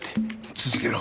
続けろ。